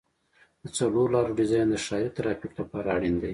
د څلور لارو ډیزاین د ښاري ترافیک لپاره اړین دی